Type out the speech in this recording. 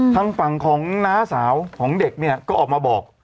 ทางฝั่งของน้าสาวของเด็กเนี่ยก็ออกมาบอก